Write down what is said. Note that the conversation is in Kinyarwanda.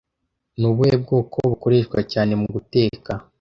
Ni ubuhe bwoko bukoreshwa cyane mu gutekat